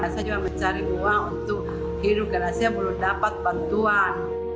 saya juga mencari uang untuk hidup karena saya belum dapat bantuan